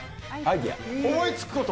思いつくこと？